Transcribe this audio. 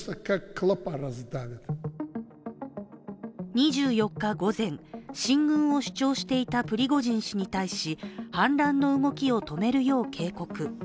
２４日午前、進軍を主張していたプリゴジン氏に対し反乱の動きを止めるよう警告。